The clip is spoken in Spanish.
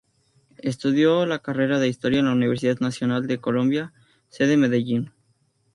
Estudió la carrera de historia en la Universidad Nacional de Colombia Sede Medellín.